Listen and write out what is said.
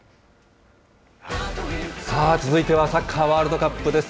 さあ、続いてはサッカーワールドカップです。